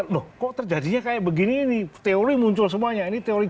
loh kok terjadinya kayak begini ini teori muncul semuanya ini teori